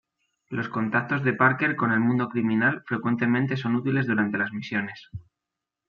Los contactos de Parker con el mundo criminal frecuentemente son útiles durante las misiones.